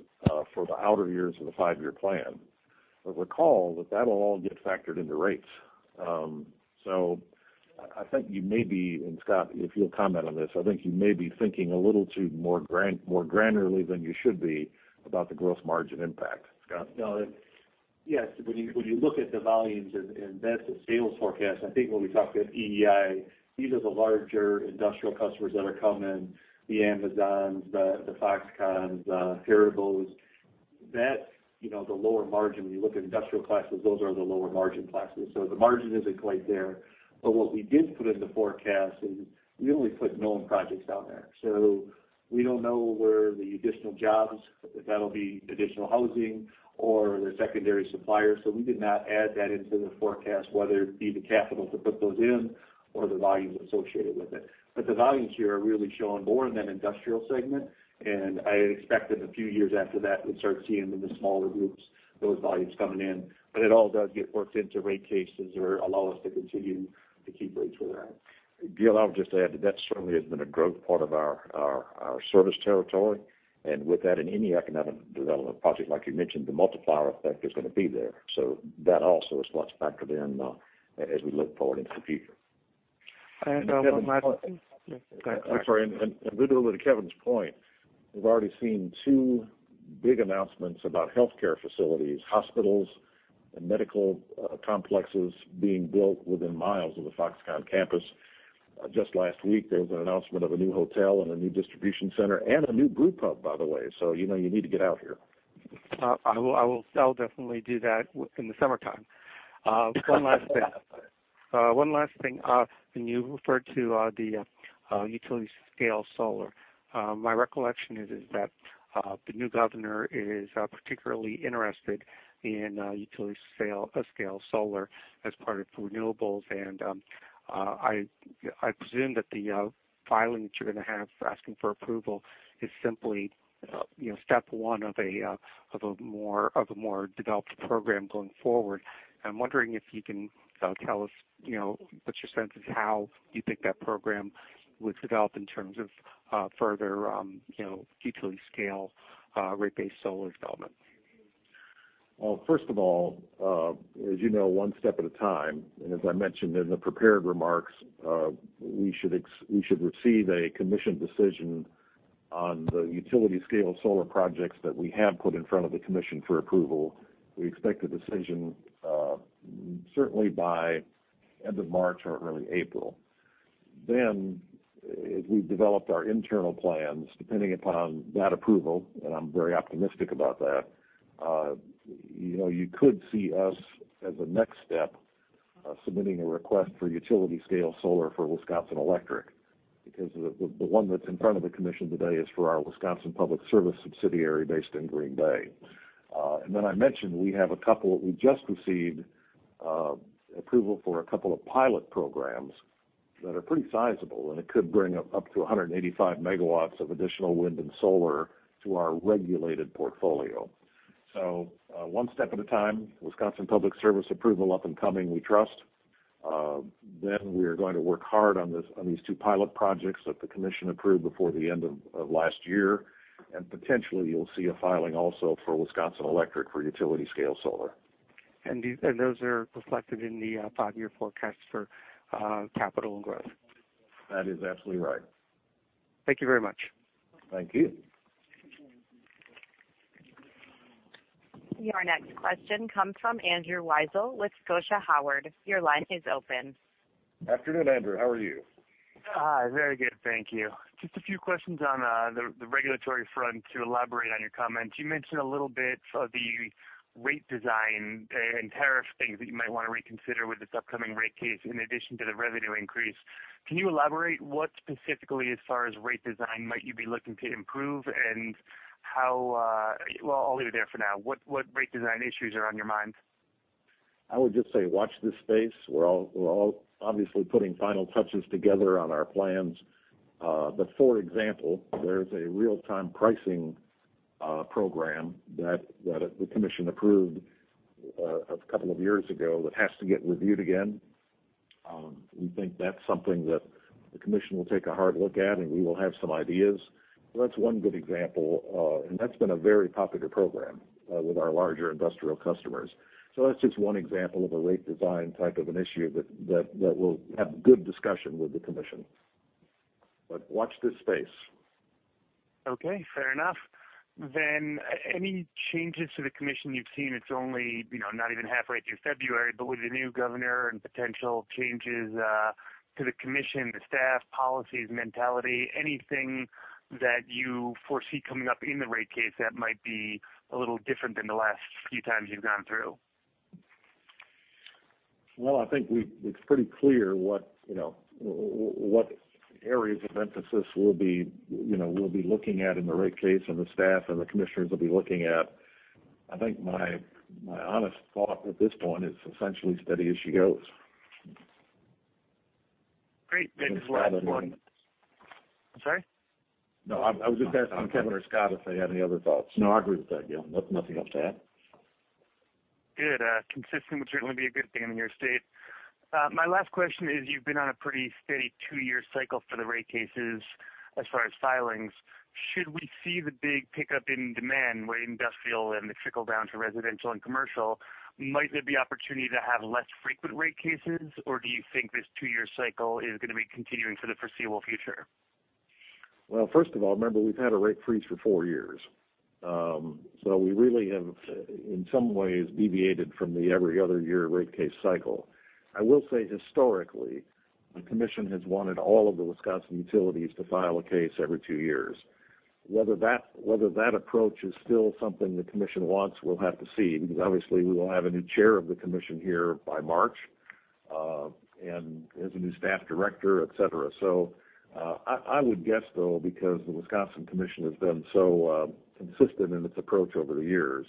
for the outer years of the five-year plan. But recall that that'll all get factored into rates. I think you may be, and Scott, if you'll comment on this, I think you may be thinking a little too more granularly than you should be about the gross margin impact. Scott? Yes. When you look at the volumes and vet the sales forecast, I think when we talk to an EEI, these are the larger industrial customers that are coming, the Amazons, the Foxconn, the U.S. Venture. That's the lower margin. When you look at industrial classes, those are the lower margin classes. The margin isn't quite there. What we did put in the forecast is we only put known projects out there. We don't know where the additional jobs, if that'll be additional housing or the secondary suppliers. We did not add that into the forecast, whether it be the capital to put those in or the volumes associated with it. The volumes here are really showing more in that industrial segment. I expect that a few years after that, we'll start seeing in the smaller groups, those volumes coming in. It all does get worked into rate cases or allow us to continue to keep rates where they're at. Gale, I would just add that certainly has been a growth part of our service territory. With that, in any economic development project like you mentioned, the multiplier effect is going to be there. That also is factored in as we look forward into the future. One last. I'm sorry. Vedula, to Kevin's point, we've already seen two big announcements about healthcare facilities, hospitals, and medical complexes being built within miles of the Foxconn campus. Just last week, there was an announcement of a new hotel and a new distribution center and a new brew pub, by the way. You need to get out here. I will. I'll definitely do that in the summertime. One last thing. When you referred to the utility-scale solar, my recollection is that the new governor is particularly interested in utility-scale solar as part of renewables, and I presume that the filing that you're going to have for asking for approval is simply step one of a more developed program going forward. I'm wondering if you can tell us what your sense is, how you think that program would develop in terms of further utility-scale rate-based solar development. Well, first of all, as you know, one step at a time, as I mentioned in the prepared remarks, we should receive a Commission decision on the utility-scale solar projects that we have put in front of the Commission for approval. We expect a decision certainly by end of March or early April. As we've developed our internal plans, depending upon that approval, and I'm very optimistic about that, you could see us as a next step, submitting a request for utility-scale solar for Wisconsin Electric, because the one that's in front of the Commission today is for our Wisconsin Public Service subsidiary based in Green Bay. I mentioned, we just received approval for a couple of pilot programs that are pretty sizable, and it could bring up to 185 MW of additional wind and solar to our regulated portfolio. One step at a time, Wisconsin Public Service approval up and coming, we trust. We are going to work hard on these two pilot projects that the Commission approved before the end of last year, and potentially, you'll see a filing also for Wisconsin Electric for utility-scale solar. Those are reflected in the five-year forecast for capital and growth? That is absolutely right. Thank you very much. Thank you. Your next question comes from Andrew Weisel with Scotiabank. Your line is open. Afternoon, Andrew. How are you? Hi. Very good, thank you. Just a few questions on the regulatory front to elaborate on your comments. You mentioned a little bit of the rate design and tariff things that you might want to reconsider with this upcoming rate case, in addition to the revenue increase. Can you elaborate what specifically as far as rate design might you be looking to improve? Well, I'll leave it there for now. What rate design issues are on your mind? I would just say watch this space. We're all obviously putting final touches together on our plans. For example, there's a real-time pricing program that the Commission approved a couple of years ago that has to get reviewed again. We think that's something that the Commission will take a hard look at, and we will have some ideas. That's one good example. That's been a very popular program with our larger industrial customers. That's just one example of a rate design type of an issue that we'll have good discussion with the Commission. Watch this space. Okay, fair enough. Any changes to the Commission you've seen? It's only not even halfway through February, but with the new governor and potential changes to the Commission, the staff, policies, mentality, anything that you foresee coming up in the rate case that might be a little different than the last few times you've gone through? Well, I think it's pretty clear what areas of emphasis we'll be looking at in the rate case, and the staff and the Commissioners will be looking at. I think my honest thought at this point is essentially steady as she goes. Great. Thanks. Scott has any- I'm sorry? No, I was just asking Kevin or Scott if they had any other thoughts. No, I agree with that, Gale. Nothing else to add. Good. Consistent would certainly be a good thing in your state. My last question is, you've been on a pretty steady two-year cycle for the rate cases as far as filings. Should we see the big pickup in demand where industrial and the trickle-down to residential and commercial, might there be opportunity to have less frequent rate cases, or do you think this two-year cycle is going to be continuing for the foreseeable future? First of all, remember, we've had a rate freeze for four years. We really have, in some ways, deviated from the every other year rate case cycle. I will say historically, the Commission has wanted all of the Wisconsin utilities to file a case every two years. Whether that approach is still something the Commission wants, we'll have to see, because obviously, we will have a new chair of the Commission here by March, and there's a new staff director, et cetera. I would guess, though, because the Wisconsin Commission has been so consistent in its approach over the years,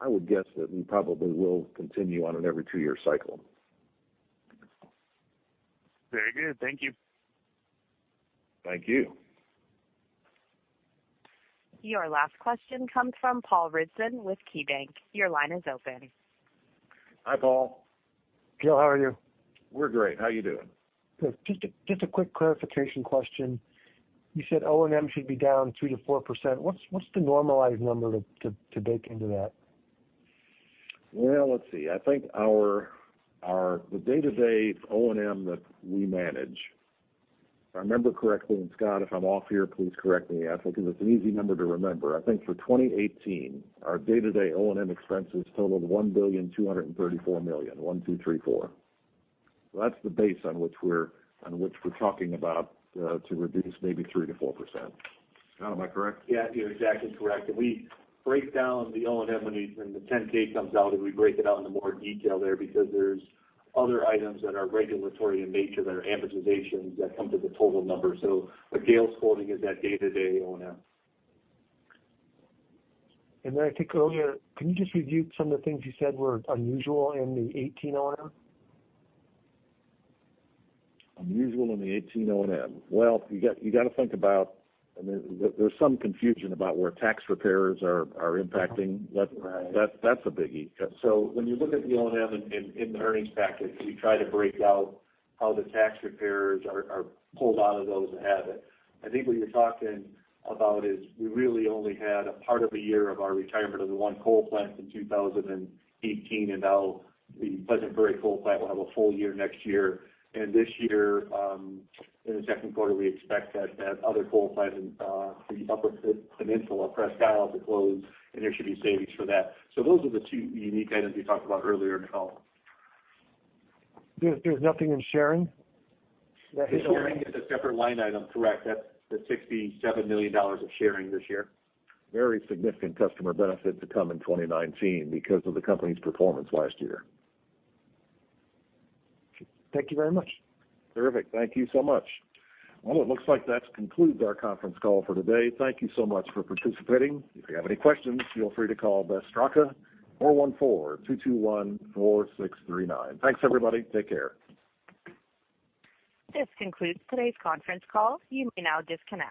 I would guess that we probably will continue on an every two-year cycle. Very good. Thank you. Thank you. Your last question comes from Paul Ridzon with KeyBanc. Your line is open. Hi, Paul. Gale, how are you? We're great. How are you doing? Good. Just a quick clarification question. You said O&M should be down 3%-4%. What's the normalized number to bake into that? Let's see. I think the day-to-day O&M that we manage, if I remember correctly, Scott, if I'm off here, please correct me. Because it's an easy number to remember. I think for 2018, our day-to-day O&M expenses totaled $1,234,000,000, one two three four. That's the base on which we're talking about to reduce maybe 3%-4%. Scott, am I correct? You're exactly correct. We break down the O&M when the 10-K comes out, we break it out into more detail there because there's other items that are regulatory in nature that are amortizations that come to the total number. What Gale's quoting is that day-to-day O&M. I think earlier, can you just review some of the things you said were unusual in the 2018 O&M? Unusual in the 2018 O&M. You got to think about, there's some confusion about where tax repair are impacting. Right. That's a biggie. When you look at the O&M in the earnings package, we try to break out how the tax repair are pulled out of those that have it. I think what you're talking about is we really only had a part of a year of our retirement of the one coal plant in 2018, and now the Pleasant Prairie coal plant will have a full year next year. This year, in the second quarter, we expect that other coal plant in the upper peninsula, Presque Isle, to close, and there should be savings for that. Those are the two unique items we talked about earlier, Paul. There's nothing in sharing? The sharing is a separate line item, correct. That's the $67 million of sharing this year. Very significant customer benefit to come in 2019 because of the company's performance last year. Thank you very much. Terrific. Thank you so much. Well, it looks like that concludes our conference call for today. Thank you so much for participating. If you have any questions, feel free to call Beth Straka DP 414-221-4639. Thanks, everybody. Take care. This concludes today's conference call. You may now disconnect.